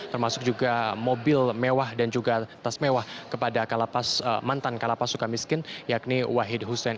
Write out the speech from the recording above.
termasuk juga mobil mewah dan juga tas mewah kepada mantan kalapas suka miskin yakni wahid hussein